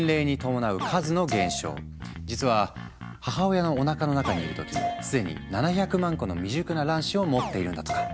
実は母親のおなかの中にいる時既に７００万個の未熟な卵子を持っているんだとか。